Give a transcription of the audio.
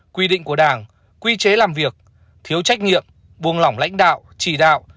quy định của đảng quy chế làm việc thiếu trách nhiệm buông lỏng lãnh đạo chỉ đạo